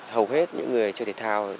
hầu hết những người chơi thể thao